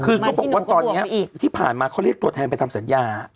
คือเขาบอกว่าตอนนี้ที่ผ่านมาเขาเรียกตัวแทนไปทำสัญญา